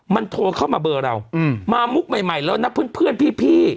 มันโทรเข้ามาเบอร์เรามามุกใหม่แล้วนะเพื่อนพี่